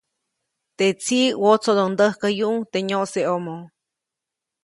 Te tsiʼ wotsodondäjkäyuʼuŋ teʼ nyoʼseʼomo.